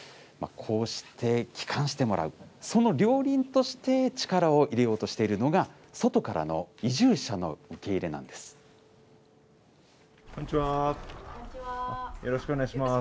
こうして帰還してもらう、その両輪として力を入れようとしているのが、外からの移住者の受け入れこんにちは。